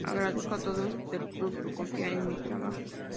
Agradezco a todos del Club por confiar en mi trabajo...".